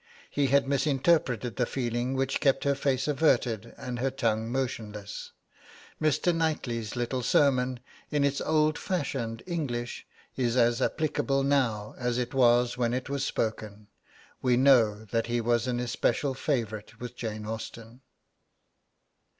He had misinterpreted the feeling which kept her face averted and her tongue motionless.' Mr. Knightly's little sermon, in its old fashioned English, is as applicable now as it was when it was spoken. We know that he was an especial favourite with Jane Austen.